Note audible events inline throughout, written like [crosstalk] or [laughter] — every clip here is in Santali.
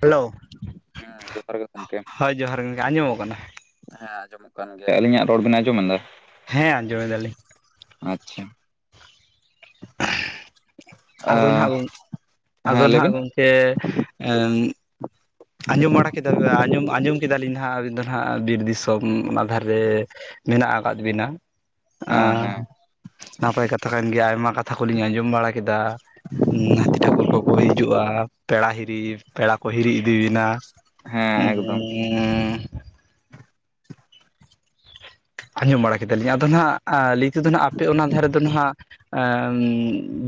ᱦᱮᱞᱳ, ᱦᱮᱸ ᱡᱚᱦᱟᱨ ᱜᱮ ᱜᱚᱢᱠᱮ ᱦᱳᱭ ᱡᱚᱦᱟᱨ ᱜᱮ ᱜᱚᱢᱠᱮ, ᱟᱸᱡᱚᱢᱚᱜ ᱠᱟᱱᱟ ᱾ ᱦᱮᱸ, ᱟᱸᱡᱚᱢᱚᱜ ᱠᱟᱱ ᱜᱮᱭᱟ᱾ ᱟᱞᱤᱧᱟᱜ ᱨᱚᱲ ᱵᱤᱱ ᱟᱸᱡᱚᱢ ᱮᱫᱟ? ᱦᱮᱸ ᱟᱸᱡᱚᱢ ᱮᱫᱟ ᱞᱤᱧ ᱾ ᱟᱪᱪᱷᱟ ᱾ ᱟᱫᱚ ᱱᱟᱦᱜ ᱜᱚᱝ ᱟᱫᱚ ᱦᱮᱸ ᱱᱟᱦᱜ ᱞᱟᱹᱭᱵᱤᱱ ᱜᱚᱢᱠᱮ ᱮᱸ ᱟᱸᱡᱚᱢ ᱵᱟᱲᱟ ᱠᱮᱫᱟ ᱵᱮ ᱟᱸᱡᱚᱢ ᱟᱸᱡᱚᱢ ᱠᱮᱫᱟᱞᱤᱧ ᱱᱟᱦᱟᱜ ᱟᱹᱵᱤᱱ ᱫᱚ ᱱᱦᱟᱜ ᱵᱤᱨ ᱫᱤᱥᱚᱢ ᱚᱱᱟ ᱫᱷᱟᱨᱮ ᱢᱮᱱᱟᱜ ᱟᱠᱟᱫ ᱵᱤᱱᱟ᱾ ᱦᱮᱸ ᱟᱸ ᱦᱮᱸ ᱱᱟᱯᱟᱭ ᱠᱟᱛᱷᱟ ᱠᱟᱱ ᱜᱮᱭᱟ, ᱟᱭᱢᱟ ᱠᱟᱛᱷᱟ ᱠᱚᱞᱤᱧ ᱟᱸᱡᱚᱢ ᱵᱟᱲᱟ, ᱠᱮᱫᱟ, ᱦᱟᱹᱛᱤ ᱴᱷᱟᱹᱠᱩᱨ ᱠᱚᱠᱚ ᱦᱤᱡᱩᱜᱼᱟ ᱾ ᱯᱮᱲᱟ ᱦᱤᱨᱤ, ᱯᱮᱲᱟ ᱠᱚ ᱦᱤᱨᱤ ᱤᱫᱤ ᱵᱤᱱᱟ ᱾ ᱦᱮᱸ ᱮᱠᱫᱚᱢ ᱟᱸᱡᱚᱢ ᱵᱟᱲᱟ ᱠᱮᱫᱟᱞᱤᱧ ᱟᱫᱚ ᱱᱟᱦᱜ ᱞᱟᱹᱭ ᱛᱮᱫᱚ ᱱᱟᱦᱜ ᱟᱯᱮ ᱚᱱᱟ ᱫᱷᱟᱨᱮ ᱫᱚ ᱱᱟᱦᱟᱜ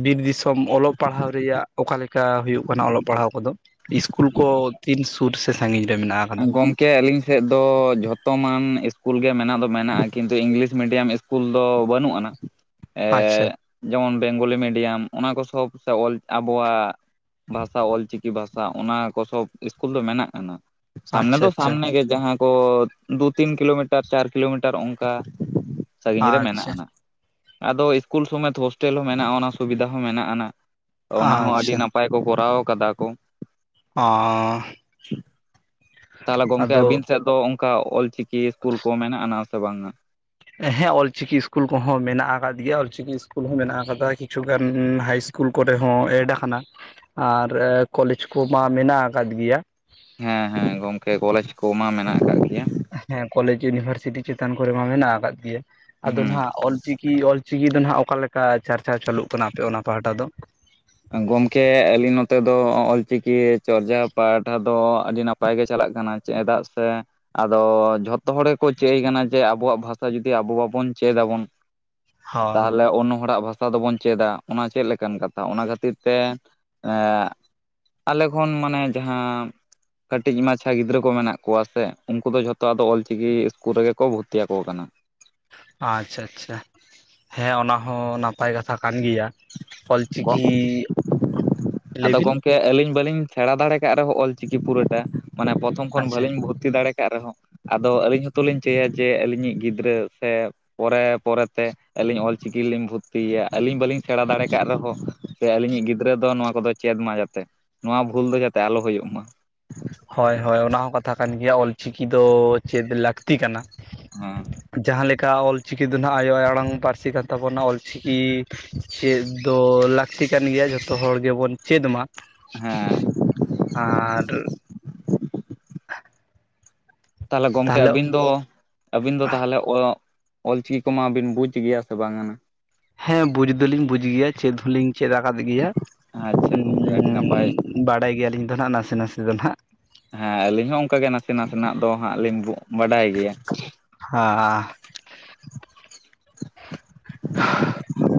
ᱵᱤᱨ ᱫᱤᱥᱚᱢ ᱚᱞᱚᱜ ᱯᱟᱲᱦᱟᱣ ᱨᱮᱭᱟᱜ ᱚᱠᱟᱞᱮᱠᱟ ᱦᱩᱭᱩᱜ ᱠᱟᱱᱟ ᱚᱞᱚᱜ ᱯᱟᱲᱦᱟᱣ ᱠᱚ ᱫᱚ? ᱤᱥᱠᱩᱞ ᱠᱚ ᱛᱤᱱ ᱥᱩᱨ ᱥᱮ ᱥᱟᱺᱜᱤᱧ ᱨᱮ ᱢᱮᱱᱟᱜᱼᱟ? ᱜᱚᱢᱠᱮ ᱟᱹᱞᱤᱧ ᱥᱮᱫ ᱫᱚ ᱡᱷᱚᱛᱚᱢᱟᱱ ᱤᱥᱠᱩᱞ ᱜᱮ ᱢᱮᱱᱟᱜ ᱫᱚ ᱢᱮᱱᱟᱜᱼᱟ ᱠᱤᱱᱛᱩ ᱤᱝᱞᱤᱥ ᱢᱤᱰᱤᱭᱟᱢ ᱤᱥ ᱠᱩᱞ ᱫᱚ ᱵᱟᱹᱱᱩᱜ ᱟᱱᱟ ᱾ ᱮᱻ ᱟᱪᱪᱷᱟ ᱡᱮᱢᱚᱱ ᱵᱮᱝᱜᱚᱞᱤ ᱢᱤᱰᱤᱭᱟᱢ, ᱚᱱᱟ ᱠᱚ ᱥᱚᱵ ᱥᱮ ᱚᱞ ᱟᱵᱚᱣᱟᱜ ᱵᱷᱟᱥᱟ ᱚᱞᱪᱤᱠᱤ ᱵᱷᱟᱥᱟ ᱚᱱᱟ ᱠᱚ ᱥᱚᱵ ᱤᱥᱠᱩᱞ ᱫᱚ ᱢᱮᱱᱟᱜ ᱟᱱᱟ, ᱥᱟᱢᱱᱮ ᱟᱪᱪᱷᱟ ᱫᱚ ᱟᱪᱪᱷᱟ ᱥᱟᱢᱱᱮ ᱜᱮ ᱡᱟᱦᱟᱸ ᱠᱚ ᱫᱩ ᱛᱤᱱ ᱠᱤᱞᱳᱢᱤᱴᱟᱨ ᱪᱟᱨ ᱠᱤᱞᱳᱢᱤᱴᱟᱨ ᱚᱝᱠᱟ ᱥᱟᱺᱜᱤᱧ ᱨᱮ ᱢᱮᱱᱟᱜ ᱟᱪᱪᱷᱟ ᱟᱱᱟ ᱾ ᱟᱫᱚ ᱤᱥᱠᱩᱞ ᱥᱚᱢᱮᱛ ᱦᱳᱥᱴᱮᱞ ᱦᱚᱸ ᱢᱮᱱᱟᱜᱼᱟ, ᱚᱱᱟ ᱥᱩᱵᱤᱫᱟ ᱦᱚᱸ ᱢᱮᱱᱟᱜ ᱟᱱᱟ ᱚᱱᱟ ᱦᱚᱸ ᱟᱹᱰᱤ ᱟᱪᱪᱷᱟ ᱱᱟᱯ ᱯᱟᱭ ᱠᱚ ᱠᱚᱨᱟᱣ ᱠᱟᱫᱟ ᱠᱚ ᱾ ᱦᱚᱸ ᱾ ᱛᱟᱦᱚᱞᱮ ᱜᱚᱢᱠᱮ ᱟᱹᱵᱤᱱ ᱥᱮᱫ ᱫᱚ ᱚᱝᱠᱟ ᱚᱞᱪᱤᱠᱤ ᱤᱥᱠᱩᱞ ᱠᱚ ᱢᱮᱱᱟᱜ ᱟᱱᱟ ᱥᱮ ᱵᱟᱝᱼᱟ? ᱦᱮᱸ ᱚᱞᱪᱤᱠᱤ ᱤᱥᱠᱩᱞ ᱠᱚᱦᱚᱸ ᱢᱮᱱᱟᱜ ᱟᱠᱟᱫ ᱜᱮᱭᱟ, ᱚᱞᱪᱤᱠᱤ ᱤᱥᱠᱩᱞ ᱦᱚᱸ ᱢᱮᱱᱟᱜ ᱟᱠᱟᱫᱟ, ᱠᱤᱪᱷᱩ ᱜᱟᱱ ᱦᱟᱭ ᱤᱥ ᱠᱩᱞ ᱠᱚᱨᱮ ᱦᱚᱸ ᱮᱰ ᱠᱟᱱᱟ ᱟᱨ ᱠᱚᱞᱮᱡᱽ ᱠᱚᱢᱟ ᱢᱮᱱᱟᱜ ᱟᱠᱟᱫ ᱜᱮᱭᱟ ᱾ ᱦᱮᱸ ᱦᱮᱸ ᱜᱚᱝᱠᱮ ᱠᱚᱞᱮᱡᱽ ᱠᱚᱢᱟ ᱢᱮᱱᱟᱜ ᱠᱟᱜ ᱜᱮᱭᱟ ᱾ ᱦᱮᱸ ᱠᱚᱞᱮᱡᱽ ᱤᱭᱩᱱᱤᱵᱷᱟᱨᱥᱤᱴᱤ ᱪᱮᱛᱟᱱ ᱠᱚᱨᱮ ᱢᱟ ᱢᱮᱱᱟᱜ ᱟᱠᱟᱫ ᱜᱮᱭᱟ ᱟᱫᱚ ᱦᱩᱸ ᱱᱟᱦᱟᱜ ᱚᱞᱪᱤᱠᱤ ᱚᱞ ᱪᱤᱠᱤ ᱫᱚ ᱱᱟᱦᱟᱜ ᱚᱠᱟ ᱞᱮᱠᱟ ᱪᱟᱨᱪᱟᱣ ᱪᱟᱹᱞᱩᱜ ᱠᱟᱱᱟ ᱟᱯᱮ ᱚᱱᱟ ᱯᱟᱦᱟᱴᱟ ᱫᱚ? ᱜᱚᱢᱠᱮ ᱟᱹᱞᱤᱱ ᱱᱚᱛᱮ ᱫᱚ ᱚᱞᱪᱤᱠᱤ ᱪᱚᱨᱡᱟᱣ ᱯᱟᱦᱴᱟ ᱫᱚ ᱟᱹᱰᱤ ᱱᱟᱯ ᱯᱟᱭ ᱜᱮ ᱪᱟᱞᱟᱜ ᱠᱟᱱᱟ ᱪᱮᱸᱫᱟᱜ ᱥᱮ ᱟᱫᱚ ᱡᱷᱚᱛᱚ ᱦᱚᱲ ᱜᱮᱠᱚ ᱪᱟ. ᱭ ᱠᱟᱱᱟ ᱡᱮ ᱟᱵᱚᱣᱟᱜ ᱵᱷᱟᱥᱟ ᱡᱩᱫᱤ ᱟᱵᱚ ᱵᱟᱵᱚᱱ ᱪᱮᱫ ᱟᱵᱚᱱ ᱦᱳᱭ ᱛᱟᱦᱚᱞᱮ ᱳᱱᱱᱚ ᱦᱚᱲᱟᱜ ᱵᱷᱟᱥᱟ ᱫᱚᱵᱚᱱ ᱪᱮᱫᱟ ᱚᱱᱟ ᱪᱮᱜ ᱞᱮᱠᱟᱱ ᱠᱟᱛᱷᱟ ᱚᱱᱟ ᱠᱷᱟ. ᱛ ᱛᱤᱨ ᱛᱮ ᱮᱸ ᱟᱞᱮ ᱠᱷᱚᱱ ᱢᱟᱱᱮ ᱡᱟᱦᱟᱸ ᱠᱟᱹᱴᱤᱡ ᱢᱟᱪᱷᱟ ᱜᱤᱫᱽᱨᱟᱹ ᱠᱚ ᱢᱮᱱᱟᱜ ᱠᱚᱣᱟ ᱥᱮ ᱩᱱᱠᱩ ᱫᱚ ᱡᱷᱚᱛᱚ ᱟᱫᱚ ᱚᱞᱪᱤᱠᱤ ᱤᱥᱠᱩᱞ ᱨᱮᱜᱮ ᱠᱚ ᱵᱷᱚᱨᱛᱤ ᱟᱠᱚ ᱠᱟᱱᱟ ᱾ ᱟᱪᱪᱷᱟ ᱟᱪᱪᱷᱟ, ᱦᱮᱸ ᱚᱱᱟ ᱦᱚᱸ ᱱᱟᱯᱟᱭ ᱠᱟᱛᱷᱟ ᱠᱟᱱ ᱜᱮᱭᱟ ᱾ [unintelligible] ᱟᱫᱚ ᱞᱟᱹᱭᱵᱤᱱ ᱜᱚᱢ ᱠᱮ ᱟᱹᱞᱤᱧ ᱵᱟᱹᱞᱤᱧ ᱥᱮᱬᱟ ᱫᱟᱲᱮ ᱠᱟᱜ ᱨᱮᱦᱚᱸ ᱚᱞ ᱪᱤᱠᱤ ᱯᱩᱨᱟᱹᱴᱟ ᱢᱟᱱᱮ ᱯᱚᱛᱷᱚᱢ ᱠᱷᱚᱱ ᱟᱪᱪᱷᱟ ᱵᱟᱹᱞᱤᱧ ᱵᱷᱩ ᱛᱤ ᱫᱟᱲᱮ ᱠᱟᱜ ᱨᱮᱦᱚᱸ ᱟᱫᱚ ᱟᱹᱞᱤᱧ ᱦᱚᱸᱛ ᱞᱤᱧ ᱪᱟᱹᱭᱟ ᱡᱮ ᱟᱹᱞᱤᱧᱤᱡ ᱜᱤᱫᱽᱨᱟᱹ ᱥᱮ ᱯᱚᱨᱮ ᱯᱚᱨᱮᱛᱮ ᱟᱹᱞᱤᱧ ᱚᱞᱪᱤᱠᱤ ᱨᱮᱞᱤᱧ ᱵᱷᱚᱛᱛᱤᱭᱟ ᱟᱹᱞᱤᱧ ᱵᱟᱹᱞᱤᱧ ᱥᱮᱬᱟ ᱫᱟᱲᱮ ᱠᱟᱜ ᱨᱮᱦᱚᱸ ᱥᱮ ᱟᱹᱞᱤᱧᱤᱡ ᱜᱤᱫᱽᱨᱟᱹ ᱫᱚ ᱱᱚᱣᱟ ᱠᱚᱫᱚᱭ ᱪᱮᱫ ᱢᱟ ᱡᱟᱛᱮ ᱱᱚᱣᱟ ᱵᱷᱩᱞ ᱫᱚ ᱡᱟᱛᱮ ᱟᱞᱚ ᱦᱩᱭᱩᱜ ᱢᱟ ᱾ ᱦᱚᱭ ᱦᱚᱭ ᱚᱱᱟ ᱦᱚᱸ ᱠᱟᱛᱷᱟ ᱠᱟᱱ ᱜᱮᱭᱟ ᱚᱞᱪᱤᱠᱤ ᱫᱚ ᱪᱮᱫᱽ ᱞᱟᱠᱛᱤ ᱠᱟᱱᱟ ᱾ ᱦᱮᱸ ᱡᱟᱦᱟᱸ ᱞᱮᱠᱟ ᱚᱞ ᱪᱤᱠᱤ ᱫᱚ ᱱᱟᱜ ᱟᱭᱳ ᱟᱲᱟᱝ ᱯᱟᱹᱨᱥᱤ ᱠᱟᱱ ᱛᱟᱵᱚᱱᱟ ᱚᱞᱪᱤ ᱠᱤ ᱪᱮᱫ ᱫᱚ ᱞᱟᱠᱛᱤ ᱠᱟᱱ ᱜᱮᱭᱟ ᱡᱷᱚᱛᱚ ᱦᱚᱲ ᱜᱮᱵᱚᱱ ᱪᱮᱫ ᱢᱟ ᱾ ᱦᱮᱸ ᱟᱨ ᱛᱟᱦᱚᱞᱮ ᱜᱚᱢᱠᱮ ᱟᱹᱵᱤᱱ ᱫᱚ ᱟᱹᱵᱤᱱ ᱫᱚ ᱛᱟᱦᱚᱞᱮ ᱚ ᱚᱞᱪᱤᱠᱤ ᱠᱚᱢᱟᱵᱤᱱ ᱵᱩᱡᱽ ᱜᱮᱭᱟ ᱥᱮ ᱵᱟᱝᱱᱟ? ᱦᱮᱸ ᱵᱩᱡ ᱫᱚᱞᱤᱧ ᱵᱩᱡ ᱜᱮᱭᱟ ᱪᱮᱫ ᱦᱚᱸᱞᱤᱧ ᱪᱮᱫ ᱟᱠᱟᱫ ᱜᱮᱭᱟ ᱟᱪᱪᱷᱟ ᱩ ᱜᱚᱝᱠᱮ ᱟᱹᱰᱤ ᱱᱟᱯᱟᱭ ᱵᱟᱲᱟᱭ ᱜᱮᱭᱟᱞᱤᱧ ᱫᱚ ᱱᱟᱜ ᱱᱟᱥᱮ ᱱᱟᱥᱮ ᱫᱚ ᱱᱟᱦᱟᱜ ᱦᱮᱸ ᱟᱹᱞᱤᱧ ᱦᱚᱸ ᱚᱱᱠᱟ ᱜᱮ ᱱᱟᱥᱮ ᱱᱟᱥᱮᱱᱟᱜ ᱫᱚ ᱦᱟᱸᱜ ᱞᱤᱧ [unintelligible] ᱵᱟᱰᱟᱭ ᱜᱮᱭᱟ ᱦᱟ [inaudible]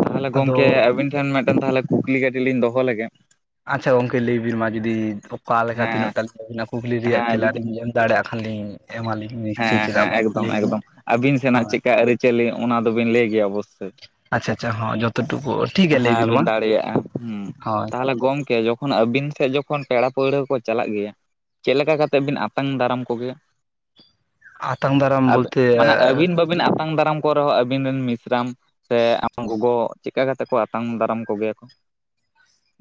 ᱛᱟᱦᱞᱮ ᱟᱫᱚ ᱜᱚᱝᱠᱮ ᱟᱵᱤᱱ ᱴᱷᱮᱱ ᱢᱤᱫᱴᱮᱱ ᱛᱟᱦᱚᱞᱮ ᱠᱩᱠᱞᱤ ᱠᱟᱹᱴᱤᱡ ᱞᱤᱧ ᱫᱚᱦᱚ ᱞᱮᱜᱮ ᱟᱪᱷᱟ ᱜᱚᱝᱠᱮ ᱞᱟᱹᱭᱵᱤᱱ ᱢᱟ ᱡᱩᱫᱤ ᱚᱠᱟ ᱞᱮᱠᱟ ᱦᱮᱸ ᱛᱤᱱᱟᱹᱜᱴᱟ [unintelligible] ᱠᱩᱠᱞᱤ ᱨᱮᱭᱟᱜ ᱦᱮᱸ ᱛᱮᱞᱟ ᱡᱩᱫᱤ ᱞᱤᱧ ᱮᱢ ᱫᱟᱲᱮᱭᱟᱜ ᱠᱷᱟᱱᱞᱤᱧ ᱮᱢᱟᱞᱤᱧ ᱱᱤᱥᱪᱳᱭ ᱦᱮᱸ ᱪᱮᱫᱟᱜ ᱦᱮᱸ ᱵᱟᱝ ᱮᱠᱫᱚᱢ ᱞᱟᱹᱭ ᱵᱤᱱ ᱮᱠᱫᱚᱢ ᱟᱹᱵᱤᱱ ᱥᱮᱱᱟᱜ ᱦᱳᱭ ᱪᱮᱫᱠᱟ ᱟᱹᱨᱤᱪᱟᱹᱞᱤ ᱚᱱᱟ ᱫᱚᱵᱤᱱ ᱞᱟᱹᱭ ᱜᱮᱭᱟ ᱚᱵᱚᱥᱳᱭ ᱟᱪᱪᱷᱟ ᱟᱪᱪᱷᱟ ᱦᱚᱸ ᱡᱚᱛ ᱴᱩᱠᱩ ᱴᱷᱤᱠ ᱜᱮᱭᱟ ᱞᱟᱹᱭ ᱦᱮᱸ ᱵᱤᱱ ᱢᱟ ᱫᱟᱲᱮᱭᱟᱜᱼᱟ, ᱦᱩᱸ ᱦᱳᱭ ᱛᱟᱦᱚᱞᱮ ᱜᱚᱝᱠᱮ ᱡᱚᱠᱷᱚᱱ ᱟᱹᱵᱤᱱ ᱥᱮᱫ ᱡᱚᱠᱷᱚᱱ ᱯᱮᱲᱟ ᱯᱟᱹᱲᱦᱟᱹ ᱠᱚ ᱪᱟᱞᱟᱜ ᱜᱮᱭᱟ ᱪᱮᱫ ᱞᱮᱠᱟ ᱠᱟᱛᱮ ᱵᱤᱱ ᱟ ᱟᱛᱟᱝ ᱫᱟᱨᱟᱢ ᱠᱚᱜᱮᱭᱟ?, ᱟᱛᱟᱝ ᱫᱟᱨᱟᱢ ᱵᱚᱞᱛᱮ [unintelligible] ᱢᱟᱱᱮ ᱟᱹᱵᱤᱱ ᱵᱟᱹᱵᱤᱱ ᱟᱛᱟᱝ ᱫᱟᱨᱟᱢ ᱠᱚ ᱨᱮᱦᱚᱸ ᱟᱵᱤᱱ ᱨᱮᱱ ᱢᱤᱥᱨᱟᱢ ᱥᱮ ᱟᱢ ᱜᱚᱜᱚ ᱪᱮᱫᱠᱟ ᱠᱟᱛᱮ ᱠᱚ ᱟᱛᱟᱝ ᱫᱟᱨᱟᱢ ᱠᱚᱜᱮᱭᱟ ᱠᱚ?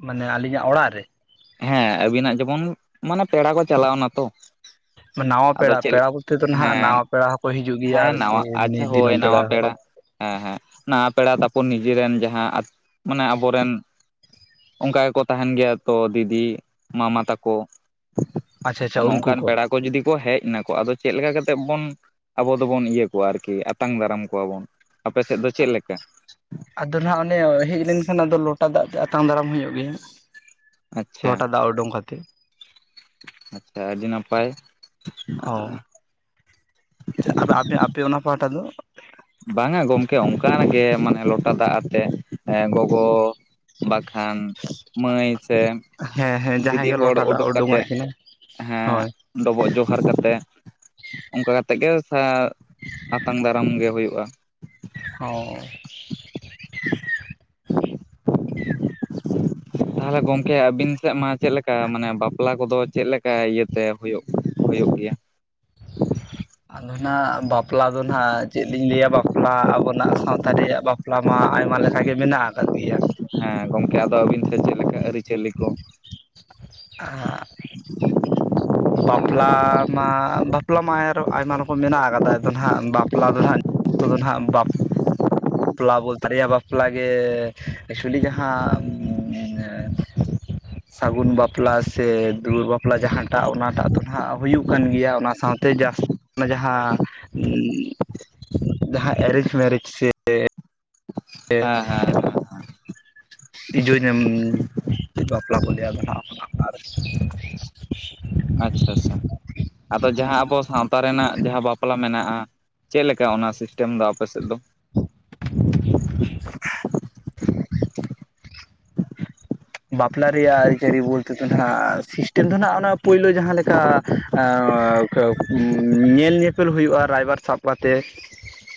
ᱢᱟᱱᱮ ᱟᱹᱞᱤᱧᱟᱜ ᱚᱲᱟᱜ ᱨᱮ? ᱦᱮᱸ ᱟᱵᱤᱱᱟᱜ [unintelligible] ᱢᱟᱱᱮ ᱯᱮᱲᱟ ᱠᱚ ᱪᱟᱞᱟᱣ ᱱᱟ ᱛᱚ ᱱᱟᱣᱟ ᱟᱫᱚ ᱯᱮᱲᱟ ᱪᱮᱫ ᱯᱮᱲᱟ ᱵᱚᱞᱛᱮ ᱫᱚ ᱱᱟᱦᱟᱜ ᱦᱮᱸ ᱱᱟᱣᱟ ᱯᱮᱲᱟ ᱦᱚᱸᱠᱚ ᱦᱤᱡᱩᱜ ᱜᱮᱭᱟ ᱦᱮᱸ ᱟᱨ ᱥᱮ ᱱᱟᱣᱟ ᱮᱢᱱᱤ ᱟᱪᱪᱷᱟ ᱦᱳᱭ ᱫᱤᱱᱟᱹᱢ ᱯᱮᱲᱟ ᱱᱟᱣᱟ ᱦᱚᱸᱠᱚ? ᱦᱮᱸ ᱦᱮᱸ ᱱᱟᱣᱟ ᱯᱮᱲᱟ ᱛᱟᱯᱚᱨ ᱱᱤᱡᱮᱨᱮᱱ ᱡᱟᱦᱟᱸ, [unintelligible] ᱢᱟᱱᱮ ᱟᱵᱚ ᱨᱮᱱ ᱚᱱᱠᱟ ᱜᱮᱠᱚ ᱛᱟᱦᱮᱱ ᱜᱮᱭᱟ ᱛᱚ ᱫᱤᱫᱤ ᱢᱟᱢᱟ ᱛᱟᱠᱚ ᱟᱪᱪᱷᱟ ᱟᱪᱪᱷᱟ ᱚᱱᱮ ᱩᱱᱠᱩ ᱚᱱᱠᱟᱱ ᱯᱮᱲᱟ ᱠᱚ ᱡᱩᱫᱤ ᱠᱚ ᱦᱮᱡᱱᱟᱠᱚ ᱟᱫᱚ ᱪᱮᱫᱞᱮᱠᱟ ᱠᱟᱛᱮ ᱵᱚᱱ ᱟᱵᱚ ᱫᱚᱵᱚᱱ ᱤᱭᱟᱹ ᱠᱚᱣᱟ ᱟᱨᱠᱤ ᱟᱛᱟᱝ ᱫᱟᱨᱟᱢ ᱠᱚᱣᱟ ᱵᱚᱱ, ᱟᱯᱮ ᱥᱮᱫ ᱫᱚ ᱪᱮᱫ ᱞᱮᱠᱟ? ᱟᱫᱚ ᱱᱟᱸᱜ ᱚᱱᱮ ᱦᱮᱡ ᱞᱮᱱᱠᱷᱟᱱ ᱟᱫᱚ ᱞᱚᱴᱟ ᱫᱟᱜ ᱛᱮ ᱟᱛᱟᱝ ᱫᱟᱨᱟᱢ ᱦᱩᱭᱩᱜ ᱜᱮᱭᱟ᱾ ᱞᱚᱴᱟ ᱫᱟᱜ ᱩᱰᱩᱝ ᱠᱟᱛᱮ᱾ ᱟᱪᱷᱟ ᱟᱹᱰᱤ ᱱᱟᱯᱟᱭ᱾ ᱦᱚ ᱪᱮᱫ ᱟᱯᱮ ᱟᱯᱮ ᱚᱱᱟ ᱯᱟᱦᱟᱴᱟ ᱫᱚ? ᱵᱟᱝᱟ ᱜᱚᱢᱠᱮ ᱚᱱᱠᱟᱱ ᱜᱮ ᱢᱟᱱᱮ ᱞᱚᱴᱟ ᱫᱟᱜ ᱟᱛᱮ ᱮᱸ ᱜᱚᱜᱚ ᱵᱟᱠᱷᱟᱱ ᱢᱟᱹᱭ ᱥᱮ ᱦᱮᱸ ᱦᱮᱸ ᱡᱟᱦᱟᱸᱭ ᱫᱤᱫᱤ ᱜᱮ ᱦᱚᱲ ᱞᱚᱴᱟ ᱫᱟᱜ ᱩᱰᱩᱠ ᱩᱰᱩᱝᱟᱜ ᱠᱟᱛᱮᱫ ᱠᱤᱱᱟᱹ ᱦᱮᱸ ᱦᱳᱭ ᱰᱚᱵᱚᱜ ᱡᱚᱦᱟᱨ ᱠᱟᱛᱮ ᱚᱱᱠᱟ ᱠᱟᱛᱮ ᱜᱮ ᱥᱟ ᱟᱛᱟᱝ ᱫᱟᱨᱟᱢ ᱜᱮ ᱦᱩᱭ ᱠᱚᱜᱼᱟ᱾ ᱦᱚᱸ᱾ [inaudible] ᱛᱟᱦᱚᱞᱮ ᱜᱚᱝᱠᱮ ᱟᱹᱵᱤᱱ ᱥᱮᱫ ᱢᱟ ᱪᱮᱫᱞᱮᱠᱟ ᱢᱟᱱᱮ ᱵᱟᱯᱞᱟ ᱠᱚᱫᱚ ᱪᱮᱫᱞᱮᱠᱟ ᱤᱭᱟᱹᱛᱮ ᱦᱩᱭᱩᱜ ᱦᱩᱭᱩᱜ ᱜᱮᱭᱟ? ᱟᱫᱚ ᱱᱟᱸᱜ ᱵᱟᱯᱞᱟ ᱫᱚ ᱱᱟᱸᱜ ᱪᱮᱫ ᱞᱤᱧ ᱞᱟᱹᱭᱟ ᱵᱟ ᱯᱞᱟ ᱟᱵᱚᱱᱟᱜ ᱥᱟᱶᱛᱟ ᱨᱮᱭᱟᱜ ᱵᱟᱯᱞᱟ ᱢᱟ ᱟᱭᱢᱟ ᱞᱮᱠᱟᱜᱮ ᱢᱮᱱᱟᱜ ᱠᱟᱫ ᱜᱮᱭᱟ᱾ ᱦᱮᱸ ᱜᱚᱢᱠᱮ ᱟᱫᱚ ᱟᱹᱵᱤᱱ ᱥᱮᱫ ᱪᱮᱫ ᱞᱮᱠᱟ ᱟᱹᱨᱤᱪᱟᱹᱞᱤ ᱠᱚ? ᱟᱸᱜ [inaudible] [inaudible] ᱵᱟᱯᱞᱟ ᱢᱟ ᱵᱟᱯᱞᱟ ᱢᱟ ᱟᱨᱚ ᱟᱭᱢᱟ ᱨᱚᱠᱚᱢ ᱢᱮᱱᱟᱜ ᱠᱟᱫᱟ ᱟᱫᱚ ᱱᱟᱦᱟᱸᱜ ᱵᱟᱯᱞᱟ ᱫᱚ ᱱᱟᱦᱟᱸᱜ ᱚᱠᱛᱚ ᱫᱚ ᱱᱟᱦᱟᱸᱜ ᱵᱟᱯ ᱯᱞᱟ ᱵᱚᱞᱛᱮ ᱵᱟᱨᱭᱟ ᱵᱟᱯᱞᱟ ᱜᱮ ᱮᱠᱪᱩᱞᱤ ᱡᱟᱦᱟᱸ ᱮᱸ ᱥᱟᱹᱜᱩᱱ ᱵᱟᱯᱞᱟ ᱥᱮ ᱫᱩᱣᱟᱹᱨ ᱵᱟᱯ ᱞᱟ ᱡᱟᱦᱟᱸᱴᱟᱜ ᱚᱱᱟᱴᱟᱜ ᱫᱚ ᱱᱟᱦᱟᱸᱜ ᱦᱩᱭᱩᱜ ᱠᱟᱱ ᱜᱮᱭᱟ ᱚᱱᱟ ᱥᱟᱶᱛᱮ ᱡᱟᱥ ᱚᱱᱟ ᱡᱟᱦᱟᱸ ᱡᱟᱦᱟᱸ ᱮᱨᱮᱧᱡᱽ ᱢᱮᱨᱮᱡᱽ ᱥᱮ ᱛᱮ ᱦᱮᱸ ᱦᱮᱸ ᱩᱸ ᱦᱮᱸ ᱤᱡᱳᱧᱟᱢ ᱵᱟᱯᱞᱟ ᱠᱚ ᱞᱟᱹᱭᱟ ᱵᱮ [unintelligible] ᱟᱪᱪᱷᱟ ᱟᱪᱪᱷᱟ ᱟᱫᱚ ᱡᱟᱦᱟᱸ ᱟᱵᱚ ᱥᱟᱶᱛᱟ ᱨᱮᱱᱟᱜ ᱡᱟᱦᱟᱸ ᱵᱟᱯᱞᱟ ᱢᱮᱱᱟᱜᱼᱟ, ᱪᱮᱫ ᱞᱮᱠᱟ ᱚᱱᱟ ᱥᱤᱥᱴᱮᱢ ᱫᱚ ᱟᱯ ᱥᱮᱫ ᱫᱚ? ᱹᱹ ᱵᱟᱯᱞᱟ ᱨᱮᱭᱟᱜ ᱟᱹᱨᱤᱪᱟᱹᱞᱤ ᱵᱚᱞᱛᱮ ᱫᱚ ᱦᱟᱸᱜ ᱥᱤᱥᱴᱮᱢ ᱫᱚ ᱱᱟᱸᱜ ᱚᱱᱟ ᱯᱳᱭᱞᱳ ᱡᱟᱦᱟᱸ ᱞᱮᱠᱟ ᱟ ᱧᱮᱞ ᱧᱮᱯᱮᱞ ᱦᱩᱭᱩᱜᱼᱟ ᱨᱟᱭᱵᱟᱨ ᱥᱟᱵ ᱠᱟᱛᱮ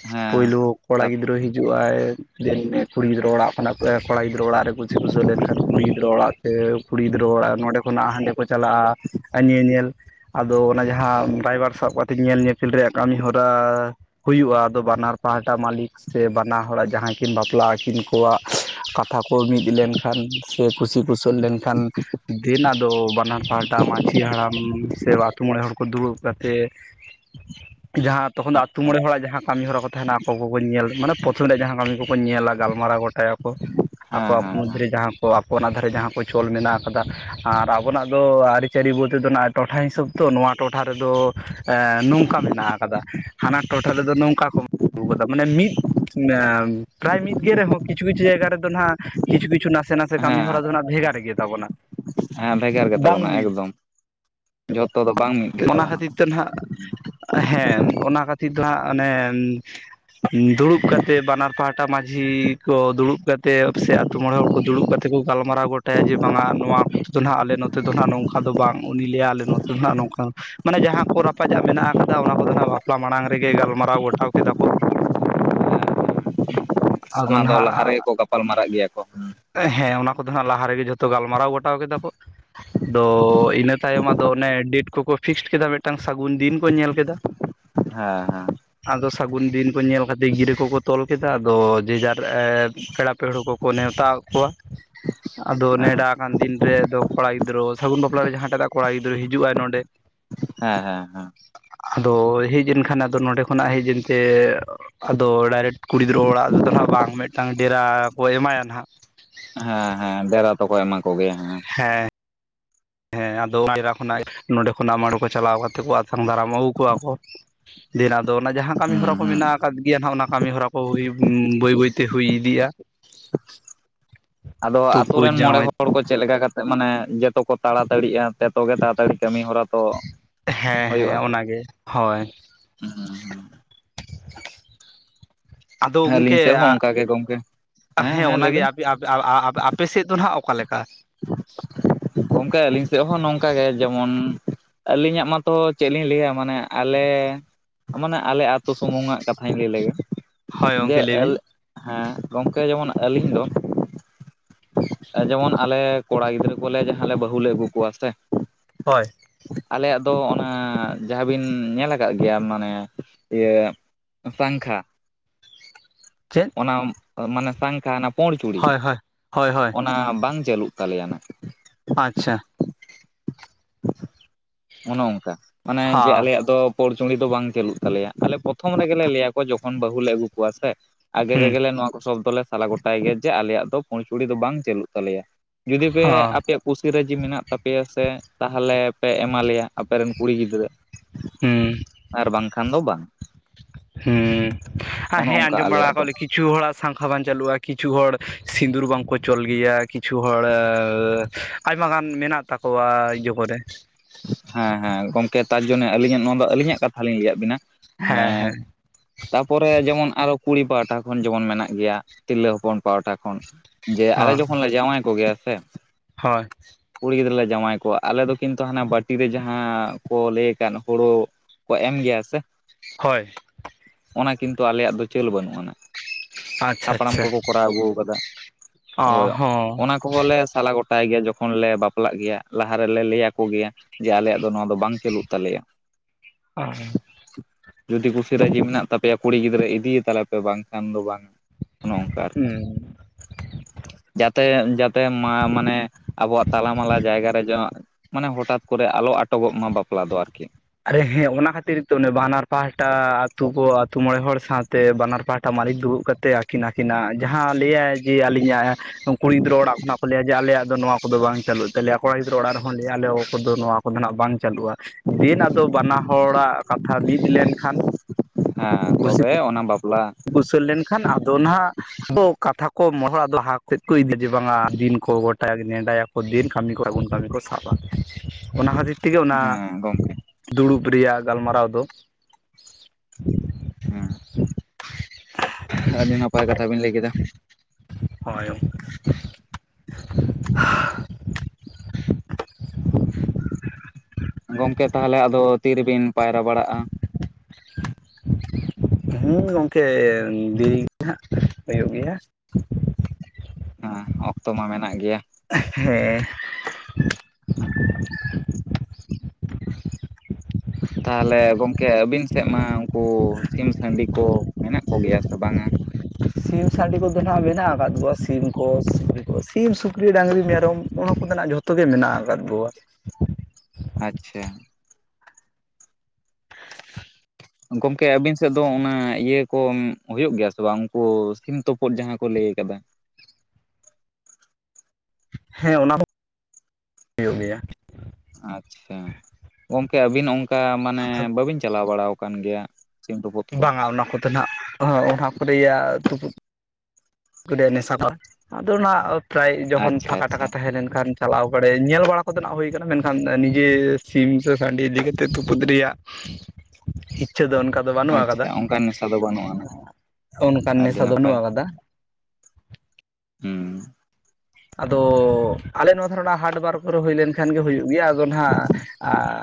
ᱦᱮᱸ ᱯᱳᱞᱩ ᱠᱚᱲᱟ ᱜᱤᱫᱽᱨᱟᱹ ᱦᱤᱡᱩᱜᱼ ᱟᱭ [unintelligible] ᱠᱩᱲᱤ ᱜᱤᱫᱽᱨᱟᱹ ᱚᱲᱟᱜ ᱠᱷᱚᱱᱟᱜ ᱠᱚᱲᱟ ᱜᱤᱫᱽᱨᱟᱹ ᱚᱲᱟᱜ ᱨᱮ ᱠᱩᱥᱤ ᱯᱩᱥᱟᱹᱞ ᱞᱮᱱᱠᱷᱟᱱ ᱠᱩᱲᱤ ᱜᱤᱫᱽᱨᱟᱹ ᱚᱲᱟᱜ ᱥᱮ ᱠᱩᱲᱤ ᱜᱤᱫᱽᱨᱟᱹ ᱚᱲᱟᱜ ᱱᱚᱸᱰᱮ ᱠᱷᱚᱱᱟᱜ ᱦᱟᱸᱰᱮ ᱠᱚ ᱪᱟᱞᱟᱜᱼᱟ ᱟᱨ ᱧᱮᱞ ᱧᱮᱞ ᱟᱫᱚ ᱚᱱᱟ ᱡᱟᱦᱟᱸ ᱨᱟᱭᱵᱟᱨ ᱥᱟᱵ ᱠᱟᱛᱮ ᱧᱮᱞ ᱧᱮᱯᱮᱞ ᱨᱮᱭᱟᱜ ᱠᱟᱹᱢᱤ ᱦᱚᱨᱟ ᱦᱩᱭᱩᱜᱼᱟ ᱟᱫᱚ ᱵᱟᱱᱟᱨ ᱯᱟᱦᱴᱟ ᱢᱟᱹᱞᱤᱠ ᱥᱮ ᱵᱟᱱᱟᱨ ᱦᱚᱲᱟᱜ ᱡᱟᱦᱟᱸᱭ ᱠᱤᱱ ᱵᱟᱯᱞᱟᱜ ᱟᱹᱠᱤᱱ ᱠᱚᱣᱟᱜ ᱠᱟᱛᱷᱟ ᱠᱚ ᱢᱤᱫ ᱞᱮᱱᱠᱷᱟᱱ ᱥᱮ ᱠᱩᱥᱤ ᱠᱩᱥᱟᱹᱞ ᱞᱮᱱᱠᱷᱟᱱ ᱫᱮᱱ ᱟᱫᱚ ᱵᱟᱱᱟᱨ ᱯᱟᱦᱟᱴᱟ ᱢᱟᱺᱡᱷᱤ ᱦᱟᱲᱟᱢ ᱥᱮ ᱟᱛᱳ ᱢᱚᱬᱮ ᱦᱚᱲ ᱠᱚ ᱫᱩᱲᱩᱵ ᱠᱳ ᱠᱟᱛᱮ ᱡᱟᱦᱟᱸ ᱛᱚᱠᱷᱚᱱ ᱫᱚ ᱟᱛᱩ ᱟᱪᱪᱷᱟ ᱢᱚᱬᱮ ᱦᱚᱲᱟᱜ ᱡᱟᱦᱟᱸ ᱠᱟᱹᱢᱤ ᱦᱚᱨᱟ ᱠᱚ ᱛᱟᱦᱮᱸᱱᱟ ᱟᱠᱚ ᱠᱚᱠᱚ ᱧᱮᱞ ᱢᱟᱱᱮ ᱯᱨᱚᱛᱷᱚᱢ ᱨᱮᱭᱟᱜ ᱡᱟᱦᱟᱸ ᱠᱟᱹᱢᱤ ᱠᱚᱠᱚ ᱧᱮᱞᱟ ᱜᱟᱞᱢᱟᱨᱟᱣ ᱜᱚᱴᱟᱭᱟᱠᱚ, ᱦᱮᱸ ᱟᱠᱚ ᱟᱠᱩ ᱦᱮᱸ ᱦᱮᱸ ᱢᱚᱫᱽᱫᱷᱨᱮ ᱡᱟᱦᱟᱸ ᱠᱚ ᱟᱠᱚ ᱚᱱᱟ ᱫᱷᱟᱨᱮ ᱡᱟᱦᱟᱸ ᱠᱚ ᱪᱚᱞ ᱢᱮᱱᱟᱜ ᱠᱟᱫᱟ ᱟᱨ ᱟᱵᱚᱱᱟᱜ ᱫᱚ ᱟᱹᱨᱤᱪᱟᱹᱞᱤ ᱵᱚᱞᱛᱮ ᱫᱚ ᱱᱚᱣᱟ ᱴᱚᱴᱷᱟ ᱦᱤᱥᱟᱹᱵᱽ ᱛᱚ ᱱᱚᱣᱟ ᱴᱚᱴᱷᱟ ᱨᱮᱫᱚ ᱮ ᱱᱚᱝᱠᱟ ᱢᱮᱱᱟᱜ ᱠᱟᱫᱟ ᱦᱟᱸᱱᱟ ᱴᱚᱴᱷᱟ ᱨᱮᱫᱚ ᱱᱚᱝᱠᱟ ᱠᱚ ᱟᱹᱜᱩ ᱠᱟᱫᱟ, ᱢᱟᱱᱮ ᱢᱤᱫ ᱮᱸ ᱯᱨᱟᱭ ᱢᱤᱫᱜᱮ ᱨᱮᱦᱚᱸ ᱠᱤᱪᱷᱩ ᱠᱤᱪᱷᱩ ᱡᱟᱭᱜᱟ ᱨᱮᱫᱚ ᱦᱟᱸᱜ ᱠᱤᱪᱷᱩ ᱠᱤᱪᱷᱩ ᱱᱟᱥᱮ ᱱᱟᱥᱮ ᱥᱮ ᱠᱟᱹᱢᱤ ᱦᱚᱨᱟ ᱦᱮᱸ ᱫᱚ ᱱᱟᱦᱟᱜ ᱵᱷᱮᱜᱟᱨ ᱜᱮ ᱛᱟᱵᱚᱱᱟ᱾ ᱦᱮᱸ ᱵᱷᱮᱜᱟᱨ ᱜᱮ ᱵᱟᱝ ᱛᱟᱵᱚᱱᱟ ᱢᱤᱫᱚᱜᱼᱟ ᱮᱠᱫᱚᱢ᱾ ᱡᱷᱚᱛᱚ ᱫᱚ ᱵᱟᱝ ᱢᱤᱫ [unintelligible] ᱜᱮᱛᱟ ᱚᱱᱟ ᱵᱚᱱᱟ ᱠᱷᱟᱹᱛᱤᱨ ᱛᱮ ᱱᱟᱦᱟᱜ ᱦᱮᱸ ᱚᱱᱟ ᱠᱷᱟᱹᱛᱤᱨ ᱫᱚ ᱦᱟᱸᱜ ᱚᱱᱮ ᱫᱩᱲᱩᱵ ᱠᱟᱛᱮᱫ ᱵᱟᱱᱟᱨ ᱯᱟᱦᱴᱟ ᱢᱟᱺᱡᱷᱤ ᱠᱚ ᱫᱩᱲᱩᱵ ᱠᱟᱛᱮᱫ ᱥᱮ ᱛᱩ ᱢᱚᱬᱮ ᱦᱚᱲ ᱠᱚ ᱫᱩᱲᱩᱵ ᱠᱟᱛᱮ ᱠᱚ ᱜᱟᱞᱢᱟᱨᱟᱣ ᱜᱚᱴᱟᱭᱟ ᱡᱮ ᱵᱟᱝᱼᱟ ᱱᱚᱶᱟ ᱠᱚᱛᱮ ᱫᱚ ᱱᱟᱦᱟᱜ ᱟᱞᱮ ᱱᱚᱛᱮ ᱫᱚ ᱦᱟᱸᱜ ᱱᱚᱝᱠᱟ ᱫᱚ ᱵᱟᱝ᱾ ᱩᱱᱤ ᱞᱟᱹᱭᱟ ᱟᱞᱮ ᱱᱚᱛᱮ ᱫᱚ ᱱᱟᱦᱟᱜ ᱱᱚᱝᱠᱟ ᱢᱟᱱᱮ ᱡᱟᱦᱟᱸ ᱠᱚ ᱨᱟᱯᱟᱪᱟᱜ ᱢᱮᱱᱟᱜ ᱟᱠᱟᱫᱟ ᱚᱱᱟ ᱠᱚᱫᱚ ᱦᱟᱸᱜ ᱵᱟᱯᱞᱟ ᱢᱟᱬᱟᱝ ᱨᱮᱜᱮ ᱜᱟᱞᱢᱟᱨᱟᱣ ᱜᱚᱴᱟ ᱠᱮᱫᱟ ᱠᱚ᱾ ᱟᱫᱚ ᱚᱱᱟ ᱫᱚ ᱞᱟᱦᱟ ᱱᱟᱦᱟᱜ ᱨᱮᱜᱮ ᱠᱚ ᱜᱟᱯᱟᱞ ᱢᱟᱨᱟᱜ ᱜᱮᱭᱟ ᱠᱚ, ᱦᱮᱸ᱾ ᱦᱮᱸ ᱚᱱᱟ ᱠᱚᱫᱚ ᱦᱟᱸᱜ ᱞᱟᱦᱟ ᱨᱮᱜᱮ ᱡᱷᱚᱛᱚ ᱜᱟᱞᱢᱟᱨᱟᱣ ᱜᱚᱴᱟᱣ ᱠᱮᱫᱟ ᱠᱚ᱾ ᱟᱫᱚ ᱤᱱᱟᱹ ᱛᱟᱭᱚᱢ ᱟᱫᱚ ᱚᱱᱮ ᱰᱮᱹᱴ ᱠᱚᱠᱚ ᱯᱷᱤᱠᱥᱰ ᱠᱮᱫᱟ, ᱢᱤᱫᱴᱟᱝ ᱥᱟᱹᱜᱩᱱ ᱫᱤᱱ ᱠᱚ ᱧᱮᱞ ᱠᱮᱫᱟ᱾ ᱦᱮᱸ ᱦᱮᱸ᱾ ᱟᱫᱚ ᱥᱟᱹᱜᱩᱱ ᱫᱤᱱ ᱠᱚ ᱧᱮᱞ ᱠᱟᱛᱮᱜ ᱜᱤᱨᱟᱹ ᱠᱚᱠᱚ ᱛᱚᱞ ᱠᱮᱫᱟ, ᱟᱫᱚ ᱡᱮᱡᱟᱨ ᱮ ᱯᱮᱲᱟ ᱯᱮᱦᱲᱳ ᱠᱚᱠᱚ ᱱᱮᱶᱛᱟᱣ ᱠᱚᱣᱟ᱾ ᱟᱫᱚ ᱦᱮᱸ ᱱᱮᱰᱟ ᱟᱠᱟᱱ ᱫᱤᱱ ᱨᱮ ᱫᱚ ᱠᱚᱲᱟ ᱜᱤᱫᱽᱨᱟᱹ ᱥᱟᱹᱜᱩᱱ ᱵᱟᱯᱞᱟ ᱨᱮ ᱡᱟᱦᱟᱸᱴᱟᱜ ᱠᱚᱲᱟ ᱜᱤᱫᱽᱨᱟᱹ ᱦᱤᱡᱩᱜᱼᱟᱭ ᱱᱚᱸᱰᱮ᱾ ᱦᱮᱸ ᱦᱮᱸ ᱦᱮᱸ᱾ ᱟᱫᱚ ᱦᱮᱡ ᱮᱱ ᱠᱷᱟᱱ ᱟᱫᱚ ᱱᱚᱰᱮ ᱠᱷᱚᱱᱟᱜ ᱦᱮᱡ ᱮᱱᱛᱮ ᱟᱫᱚ ᱰᱟᱭᱨᱮᱠᱴ ᱠᱩᱲᱤ ᱜᱤᱫᱽᱨᱟᱹ ᱚᱲᱟᱜ ᱨᱮᱫᱚ ᱱᱟᱦᱟᱜ ᱵᱟᱝ, ᱢᱮᱫᱴᱟᱝ ᱰᱮᱨᱟ ᱠᱚ ᱮᱢᱟᱭᱟ ᱱᱟᱦᱟᱜ᱾ ᱦᱮᱸ ᱦᱮᱸ ᱦᱮᱸ ᱰᱮᱨᱟ ᱛᱚᱠᱚ ᱮᱢᱟ ᱠᱚ ᱜᱮᱭᱟ᱾ ᱦᱮᱸ᱾ ᱦᱮᱸ ᱟᱫᱚ ᱰᱮᱨᱟ ᱠᱷᱚᱱᱟᱜ ᱱᱚᱰᱮ ᱠᱷᱚᱱᱟᱜ ᱢᱚᱬᱮ ᱠᱚ ᱪᱟᱞᱟᱣ ᱠᱟᱛᱮᱫ ᱠᱚ ᱟᱛᱟᱝ ᱫᱟᱨᱟᱢ ᱟᱹᱜᱩ ᱠᱚᱣᱟ ᱠᱚ᱾ ᱫᱤᱭᱮ ᱟᱫᱚ ᱚᱱᱟ ᱡᱟᱦᱟᱸ ᱠᱟᱹᱢᱤ ᱦᱩᱸ ᱦᱚᱨᱟ ᱠᱚ ᱦᱩᱸ ᱢᱮᱱᱟᱜ ᱟᱠᱟᱫ ᱜᱮᱭᱟ ᱦᱟᱸᱜ, ᱚᱱᱟ ᱠᱟᱹᱢᱤ ᱦᱚᱨᱟ ᱠᱚ ᱵᱟᱹᱭ ᱵᱟᱹᱭ ᱛᱮ ᱦᱩᱭ ᱤᱫᱤᱜᱼᱟ᱾ ᱟᱫᱚ ᱟᱛᱳ ᱨᱮᱱ ᱢᱚᱬᱮ ᱦᱚᱲ ᱠᱚ ᱪᱮᱫ ᱞᱮᱠᱟ ᱠᱟᱛᱮᱫ ᱢᱟᱱᱮ ᱡᱚᱛᱚ ᱠᱚ ᱛᱟᱲᱟ ᱛᱟᱹᱲᱤᱜᱼᱟ᱾ ᱡᱚᱛᱚ ᱜᱮ ᱛᱟᱲᱟ ᱛᱟᱲᱤ ᱠᱟᱹᱢᱤ ᱦᱚᱨᱟ ᱛᱚ ᱦᱮᱸ ᱦᱮᱸ ᱦᱳᱭᱳᱜᱼᱟ ᱛᱚ᱾ ᱚᱱᱟᱜᱮ ᱦᱳᱭ [inaudible] ᱟᱫᱚ ᱦᱮᱸ ᱟᱹᱞᱤᱧ ᱜᱚᱝᱠᱮ ᱥᱮᱫ ᱦᱚᱸ ᱚᱱᱠᱟ ᱜᱮ ᱜᱚᱝᱠᱮ ᱟ, ᱦᱮᱸ ᱚᱱᱟᱜᱮ ᱟᱯᱮ ᱟᱯᱮ ᱟᱯᱮ ᱟᱯᱮ ᱥᱮᱫ ᱫᱚ ᱱᱟᱦᱟᱜ ᱚᱠᱟ ᱞᱮᱠᱟ? ᱜᱚᱝᱠᱮ ᱟᱹᱞᱤᱧ ᱥᱮᱫ ᱦᱚᱸ ᱱᱚᱝᱠᱟ ᱜᱮ, ᱡᱮᱢᱚᱱ ᱟᱹᱞᱤᱧᱟᱜ ᱢᱟᱛᱚ ᱪᱮᱫ ᱞᱤᱧ ᱞᱟᱹᱭᱟ? ᱢᱟᱱᱮ ᱟᱞᱮ ᱢᱟᱱᱮ ᱟᱞᱮ ᱟᱛᱳ ᱥᱩᱢᱩᱝᱼᱟᱜ ᱠᱟᱛᱷᱟᱧ ᱞᱟᱹᱭ ᱞᱮᱜᱮ ᱦᱳᱭ ᱡᱮ ᱜᱚᱝᱠᱮ ᱞᱟᱹᱭ ᱟᱹᱞ ᱵᱤᱱ᱾ ᱦᱮᱸ ᱜᱚᱝᱠᱮ ᱡᱮᱢᱚᱱ ᱟᱹᱞᱤᱧ ᱫᱚ, ᱡᱮᱢᱚᱱ ᱟᱞᱮ ᱠᱚᱲᱟ ᱜᱤᱫᱽᱨᱟᱹ ᱵᱚᱞᱮ ᱡᱟᱦᱟᱸᱞᱮ ᱵᱟᱹᱦᱩ ᱞᱮ ᱟᱹᱜᱩ ᱠᱚᱣᱟ ᱥᱮ᱾ ᱦᱚᱭ᱾ ᱟᱞᱮᱭᱟᱜ ᱫᱚ ᱚᱱᱟ ᱡᱟᱦᱟ ᱵᱤᱱ ᱧᱮᱞ ᱟᱠᱟᱜ ᱜᱮᱭᱟ ᱢᱟᱱᱮ ᱤᱭᱟᱹ ᱥᱟᱝᱠᱷᱟ᱾ ᱪᱮᱫ? ᱚᱱᱟ ᱢᱟᱱᱮ ᱥᱟᱝᱠᱷᱟ ᱦᱟᱱᱟ ᱯᱳᱬ ᱪᱩᱲᱤ, ᱦᱳᱭ ᱦᱳᱭ ᱦᱳᱭ ᱦᱳᱭ ᱚᱱᱟ ᱵᱟᱝ ᱪᱟᱹᱞᱩᱜ ᱛᱟᱞᱮᱭᱟ ᱱᱟᱦ᱾ ᱟᱪᱪᱷᱟ᱾ ᱚᱱᱚ ᱚᱝᱠᱟ ᱢᱟᱱᱮ ᱦᱟ ᱡᱮ ᱟᱞᱮᱭᱟᱜ ᱫᱚ ᱯᱳᱬ ᱪᱩᱲᱤ ᱫᱚ ᱵᱟᱝ ᱪᱟᱹᱞᱩᱜ ᱛᱟᱞᱮᱭᱟ᱾ ᱟᱞᱮ ᱯᱨᱚᱛᱷᱚᱢ ᱨᱮᱜᱮ ᱞᱮ ᱞᱟᱹᱭ ᱟᱠᱚᱣᱟ ᱡᱚ ᱠᱷᱚᱱ ᱵᱟᱹᱦᱩ ᱞᱮ ᱟᱹᱜᱩ ᱠᱚᱣᱟ ᱥᱮ, ᱟᱜᱮ ᱦᱩᱸ ᱨᱮᱜᱮ ᱞᱮ ᱱᱚᱣᱟ ᱠᱚ ᱥᱚᱵᱽ ᱫᱚ ᱞᱮ ᱥᱟᱞᱟ ᱜᱚᱴᱟᱭ ᱜᱮᱭᱟ ᱡᱮ ᱟᱞᱮᱭᱟᱜ ᱫᱚ ᱯᱳᱬ ᱪᱩᱲᱤ ᱫᱚ ᱵᱟᱝ ᱪᱟᱹᱞᱩᱜ ᱛᱟᱞᱮᱭᱟ, ᱡᱩᱫᱤ ᱯᱮ ᱦᱟ ᱟᱯᱮᱭᱟᱜ ᱠᱩᱥᱤ ᱨᱟᱹᱡᱤ ᱢᱮᱱᱟᱜ ᱛᱟᱯᱮᱭᱟ ᱥᱮ, ᱛᱟᱦᱚᱞᱮ ᱯᱮ ᱮᱢᱟᱞᱮᱭᱟ ᱟᱯᱮ ᱨᱮᱱ ᱠᱩᱲᱤ ᱜᱤᱫᱽᱨᱟᱹ᱾ ᱦᱩᱸ ᱟᱨ ᱵᱟᱝ ᱠᱷᱟᱱ ᱫᱚ ᱵᱟᱝ᱾ ᱦᱩᱸ ᱟᱨ ᱚᱱᱮ ᱦᱮᱸ ᱚᱱᱠᱟ ᱟᱸᱡᱚᱢ ᱵᱟᱲᱟ ᱟᱞᱮᱭᱟᱜ ᱫᱚ ᱠᱟᱜ ᱞᱮᱠᱤ ᱠᱤᱪᱷᱩ ᱦᱚᱲᱟᱜ ᱥᱟᱝᱠᱷᱟ ᱵᱟᱝ ᱪᱟᱹᱞᱩᱜᱼᱟ ᱠᱤᱪᱷᱩ ᱦᱚᱲ ᱥᱤᱸᱫᱩᱨ ᱵᱟᱝᱠᱚ ᱪᱚᱞ ᱜᱮᱭᱟ ᱠᱤᱪᱷᱩ ᱦᱚᱲ ᱟᱹ ᱟᱭᱢᱟ ᱜᱟᱱ ᱢᱮᱱᱟᱜ ᱛᱟᱠᱚᱣᱟ ᱤᱭᱟᱹ ᱠᱚᱨᱮ ᱦᱮᱸ ᱦᱮᱸ ᱜᱚᱝᱠᱮ ᱛᱟᱨ ᱡᱚᱱᱮ ᱟᱹᱞᱤᱧᱟᱜ ᱱᱚᱣᱟ ᱫᱚ ᱟᱹᱞᱤᱧᱟᱜ ᱠᱟᱛᱷᱟ ᱞᱤᱧ ᱞᱟᱹᱭ ᱟᱫ ᱵᱤᱱᱟ ᱢᱟᱱᱮ ᱦᱮᱸ ᱦᱮᱸ ᱛᱟᱨᱯᱚᱨᱮ ᱡᱮᱢᱚᱱ ᱟᱨᱦᱚᱸ ᱠᱩᱲᱤ ᱯᱟᱦᱟᱴᱟ ᱠᱷᱚᱱ ᱡᱮᱢᱚᱱ ᱢᱮᱱᱟᱜ ᱜᱮᱭᱟ ᱛᱤᱨᱞᱟᱹ ᱦᱚᱯᱚᱱ ᱯᱟᱦᱟᱴᱟ ᱠᱷᱚᱱ ᱡᱮ ᱟᱞᱮ ᱦᱚᱸ ᱡᱚᱠᱷᱚᱱ ᱞᱮ ᱡᱟᱶᱟᱭ ᱠᱚ ᱜᱮᱭᱟ ᱥᱮ ᱦᱳᱭ ᱠᱩᱲᱤ ᱜᱤᱫᱽᱨᱟᱹ ᱞᱮ ᱡᱟᱶᱟᱭ ᱠᱚᱣᱟ ᱟᱞᱮ ᱫᱚ ᱠᱤᱱᱛᱩ ᱦᱟᱱᱮ ᱵᱟ ᱴᱤᱨᱮ ᱡᱟᱦᱟᱸ ᱠᱚ ᱞᱟᱹᱭ ᱟᱠᱟᱫ ᱦᱳᱲᱳ ᱠᱚ ᱮᱢ ᱜᱮᱭᱟ ᱥᱮ ᱦᱳᱭ ᱚᱱᱟ ᱠᱤᱱᱛᱩ ᱟᱞᱮᱭᱟᱜ ᱫᱚ ᱪᱟᱹᱞ ᱵᱟᱹᱱᱩᱜ ᱟᱱᱟ ᱟᱪᱪᱷᱟ ᱦᱟᱯᱲᱟᱢ ᱟᱪᱪᱷᱟ ᱠᱚᱠᱚ ᱠᱚᱨᱟᱣ ᱟᱹᱜᱩ ᱠᱟᱫᱟ ᱚ ᱦᱳᱭ ᱦᱚᱸ ᱚᱱᱟ ᱠᱚ ᱦᱚᱸᱞᱮ ᱥᱟᱞᱟ ᱜᱚᱴᱟᱭ ᱜᱮᱭᱟ ᱡᱚᱠᱷᱚᱱ ᱞᱮ ᱵᱟᱯᱞᱟᱜ ᱜᱮᱭᱟ ᱞᱟᱦᱟ ᱨᱮᱞᱮ ᱞᱟᱹᱭ ᱟᱠᱚ ᱜᱮᱭᱟ ᱡᱮ ᱟᱞᱮᱭᱟᱜ ᱫᱚ ᱱᱚᱣᱟ ᱫᱚ ᱵᱟᱝ ᱪᱟᱹᱞᱩᱜ ᱛᱟᱞᱮᱭᱟ ᱡᱩᱫᱤ ᱠᱩᱥᱤ ᱨᱟᱹᱡᱤ ᱢᱮᱱᱟᱜ ᱛᱟᱯᱮᱭᱟ ᱠᱩᱲᱤ ᱜᱤᱫᱽᱨᱟᱹ ᱤᱫᱤᱭᱮ ᱛᱟᱞᱮ ᱯᱮ ᱵᱟᱝ ᱠᱷᱟᱱ ᱫᱚ ᱵᱟᱝ ᱚᱱᱮ ᱚᱱᱠᱟ ᱟᱨᱠᱤ [inaudible] ᱡᱟᱛᱮ ᱡᱟᱛᱮ ᱢᱟ ᱢᱟᱱᱮ ᱟᱵᱚᱣᱟᱜ ᱛᱟᱞᱟ ᱢᱟᱞᱟ ᱡᱟᱭᱜᱟ ᱨᱮ ᱡᱮ ᱢᱟᱱᱮ ᱦᱚᱸᱴᱟᱛ- ᱠᱚᱨᱮ ᱟᱞᱚ ᱟᱴᱚ ᱜᱚᱸᱜ ᱢᱟ ᱵᱟᱯᱞᱟ ᱫᱚ ᱟᱨᱠᱤ ᱟᱨᱮ ᱦᱮᱸ ᱚᱱᱟ ᱠᱷᱟᱹᱛᱤᱨ ᱛᱮ ᱚᱱᱮ ᱵᱟᱱᱟᱨ ᱯᱟᱦᱟᱴᱟ ᱟᱹᱛᱳ ᱠᱚ ᱟᱹᱛᱳ ᱢᱚᱬᱮ ᱦᱚᱲ ᱥᱟᱶᱛᱮ ᱵᱟᱱᱟᱨ ᱯᱟᱦ ᱴᱟ ᱢᱟᱹᱞᱤᱠ ᱫᱩᱲᱩᱵ ᱠᱟᱛᱮᱫ ᱟᱹᱠᱤᱱ ᱟᱹᱠᱤᱱᱟᱜ ᱡᱟᱦᱟᱸ ᱞᱟᱹᱭᱟᱭ ᱡᱮ ᱟᱹᱞᱤᱧᱟᱜ ᱠᱩᱲᱤ ᱜᱤᱫᱽᱨᱟᱹ ᱚᱲᱟᱜ ᱠᱷᱚᱱᱟᱜ ᱠᱚ ᱞᱟᱹᱭ ᱟ ᱡᱮ ᱟᱞᱮᱭᱟᱜ ᱫᱚ ᱱᱚᱣᱟ ᱠᱚᱫᱚ ᱵᱟᱝ ᱪᱟᱞᱩᱜ ᱛᱟᱞᱮᱭᱟ ᱠᱚᱲᱟ ᱜᱤᱫᱽᱨᱟᱹ ᱚᱲᱟᱜ ᱨᱮᱦᱚᱸ ᱞᱟᱹᱭ ᱟᱞᱮ ᱠᱚᱫᱚ ᱱᱚᱣᱟ ᱠᱚᱫᱚ ᱱᱟᱸᱜ ᱵᱟᱝ ᱪᱟᱹᱞᱩᱜᱼᱟ ᱫᱤᱱ ᱟᱫᱚ ᱵᱟᱱᱟ ᱦᱚᱸᱲᱟᱜ ᱠᱟᱛᱷᱟ ᱢᱤᱫ ᱞᱮᱱᱠᱷᱟᱱ ᱦᱮᱸ ᱠᱩᱥᱤ ᱛᱚᱵᱮ ᱚᱱᱟ ᱵᱟᱯᱞᱟ ᱠᱩᱥᱟᱹᱞ ᱞᱮᱱᱠᱷᱟᱱ ᱟᱫᱚ ᱱᱟᱦᱟᱜ ᱟᱫᱚ ᱠᱟᱛᱷᱟ ᱠᱚ [unintelligible] ᱞᱟᱦᱟ ᱥᱮᱫ ᱠᱚ ᱤᱫᱤ ᱡᱮ ᱵᱟᱝᱼᱟ ᱫᱤᱱ ᱠᱚ ᱜᱚᱴᱟᱭᱟ ᱱᱮᱰᱟᱭᱟ ᱩᱫ ᱫᱤᱱ ᱠᱟᱹᱢᱤ ᱠᱚ ᱥᱟᱹᱜᱩᱱ ᱠᱟᱹᱢᱤ ᱠᱚ ᱥᱟᱵᱟ ᱚᱱᱟ ᱠᱷᱟᱹᱛᱤᱨ ᱛᱤ ᱜᱤ ᱚᱱᱟ ᱦᱮᱸ ᱜᱚᱝᱠᱮ ᱫᱩᱲᱩᱵ ᱨᱮᱭᱟᱜ ᱜᱟᱞᱢᱟᱨᱟᱣ ᱫᱚ ᱦᱚᱸ ᱟᱹᱰᱤ ᱱᱟᱯᱟᱭ ᱠᱟᱛᱷᱟ ᱵᱤᱱ ᱞᱟᱹᱭ ᱠᱮᱫᱟ ᱦᱳᱭ ᱜᱚᱝᱠᱮ ᱛᱟᱦᱞᱮ ᱟᱫᱚ ᱛᱤ ᱨᱮᱵᱤᱱ ᱯᱟᱭᱨᱟ ᱵᱟᱲᱟᱜᱼᱟ [inaudible] ᱦᱩᱸ ᱜᱚᱝᱠᱮ ᱫᱮᱨᱤᱼᱟ ᱦᱟᱸᱜ ᱦᱩᱭᱩᱜ ᱜᱮᱭᱟ ᱦᱮᱸ ᱚᱠᱛᱚ ᱢᱟ ᱢᱮᱱᱟᱜ ᱜᱮᱭᱟ ᱦᱮᱸ [inaudible] ᱛᱟᱦᱚᱞᱮ ᱜᱚᱝᱠᱮ ᱟᱹᱵᱤᱱ ᱥᱮᱫ ᱢᱟ ᱩᱱᱠᱩ ᱥᱤᱢ ᱥᱟᱺᱰᱤ ᱠᱚ ᱢᱮᱱᱟᱜ ᱠᱚ ᱜᱮᱭᱟ ᱥᱮ ᱵᱟᱝ-ᱟ ᱥᱤᱢ ᱥᱟᱺᱰᱤ ᱠᱚᱫᱚ ᱱᱟᱦᱟᱜ ᱢᱮᱱᱟᱣ ᱟᱠᱟᱫ ᱠᱚᱣᱟ ᱥᱤᱢ ᱠᱚ ᱥᱩᱠᱨᱤ ᱠᱚ ᱥᱤᱢ ᱥᱩᱠᱨᱤ ᱰᱟᱹᱝᱨᱤ ᱢᱮᱨᱚᱢ ᱚᱱᱟᱠᱚᱫᱚ ᱱᱟᱜ ᱡᱷᱚᱛᱚ ᱡᱷᱚᱛᱚ ᱜᱮ ᱢᱮᱱᱟᱜ ᱟᱠᱟᱫ ᱵᱚᱣᱟ ᱟᱪᱪᱷᱟ ᱜᱚᱢᱠᱮ ᱟᱵᱤᱱ ᱥᱮᱫ ᱫᱚ ᱚᱱᱟ ᱤᱭᱟᱹ ᱠᱚ ᱦᱩᱭᱩᱜ ᱜᱮᱭᱟ ᱥᱮ ᱵᱟᱝ ᱩᱱᱠᱩ ᱥᱤᱢ ᱛᱩᱯᱩᱫ ᱡᱟᱦᱟᱸ ᱠᱚ ᱞᱟᱹᱭ ᱠᱟᱫᱟ ᱦᱮᱸ ᱚᱱᱟ ᱠᱚ ᱦᱩᱭᱩᱜ ᱜᱮᱭᱟ ᱟᱪᱪᱷᱟ ᱜᱚᱝᱠᱮ ᱟᱹᱵᱤᱱ ᱚᱱᱠᱟ ᱢᱟᱱᱮ ᱵᱟᱹᱵᱤᱱ ᱪᱟᱞᱟᱣ ᱵᱟᱲᱟ ᱟᱠᱟᱱ ᱜᱮᱭᱟ ᱥᱤᱢ ᱛᱳᱯᱳᱫ ᱠᱚ ᱵᱟᱝᱟ ᱚᱱᱟ ᱠᱚᱫᱚ ᱱᱟᱜ ᱚᱱᱟ ᱠᱚᱨᱮᱭᱟᱜ ᱛᱩᱯᱩᱫ ᱠᱚ ᱨᱮᱭᱟᱜ ᱱᱮᱥᱟ ᱠᱚ ᱟᱫᱚ ᱚᱱᱟ ᱯᱨᱟᱭ ᱡᱚᱠᱷᱚᱱ ᱟᱪᱪᱷᱟ ᱯᱷᱟᱸᱠᱟ ᱟᱪᱪᱷᱟ ᱴᱟᱠᱟ ᱛᱟᱦᱮᱸ ᱞᱮᱱ ᱠᱷᱟᱱᱼᱼ ᱪᱟᱞᱟᱣ ᱵᱟᱲᱮ ᱧᱮᱞ ᱵᱟᱲᱟ ᱠᱚ ᱱᱟᱜ ᱦᱩᱭ ᱠᱟᱱᱟ ᱢᱮᱱ ᱠᱷᱟᱱ ᱱᱤᱡᱮ ᱥᱤᱢ ᱥᱮ ᱥᱟᱺᱰᱤ ᱤᱫᱤ ᱠᱟᱛᱮ ᱛᱩᱯᱩᱫ ᱨᱮᱭᱟᱜ ᱤᱪᱪᱷᱟᱹ ᱫᱚ ᱚᱱᱠᱟᱼᱼ ᱵᱟᱹᱱᱩᱜ ᱟᱠᱟᱫᱟ ᱟᱪᱪᱷᱟ ᱚᱱᱠᱟᱱ ᱱᱮᱥᱟ ᱫᱚ ᱵᱟᱹᱱᱩᱜ ᱟᱱᱟ ᱚᱱᱠᱟᱱ ᱟᱹᱰᱤ ᱱᱮᱥᱟ ᱫᱚ ᱱᱟᱯᱟᱭ ᱵᱟᱹᱱᱩᱜ ᱟᱠᱟᱫᱟ ᱦᱩᱸ ᱟᱫᱚ ᱟᱞᱮ ᱱᱚᱣᱟ ᱫᱷᱟᱨᱮ ᱱᱟ ᱦᱟᱴᱵᱟᱨ ᱠᱚᱨᱮ ᱦᱩᱭ ᱞᱮᱱ ᱠᱷᱟᱱ ᱜᱮ ᱦᱩᱭᱩᱜ ᱜᱮᱭᱟ ᱟᱫᱚ ᱱᱟᱜ [unintelligible]